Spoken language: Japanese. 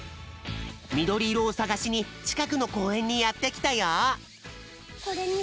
みどりいろをさがしにちかくのこうえんにやってきたよ。